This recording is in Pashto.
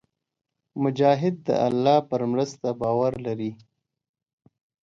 مجاهد د الله پر مرسته باور لري.